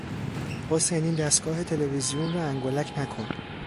حسین این دستگاه تلویزیون را انگولک نکن!